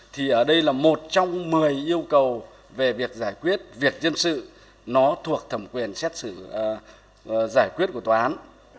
thì ở đây là một trong một mươi yêu cầu về việc giải quyết việc dân sự nó thuộc thẩm quyền xét xử giải quyết của tòa án